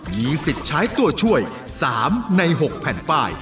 มีสิทธิ์ใช้ตัวช่วย๓ใน๖แผ่นป้าย